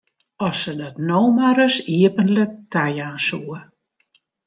As se dat no mar ris iepentlik tajaan soe!